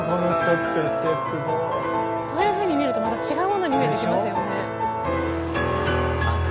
そういうふうに見るとまた違うものに見えてきますよね。